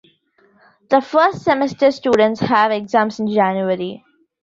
The first semester students have exams in January.